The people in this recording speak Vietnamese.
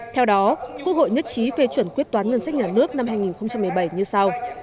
theo đó quốc hội nhất trí phê chuẩn quyết toán ngân sách nhà nước năm hai nghìn một mươi bảy như sau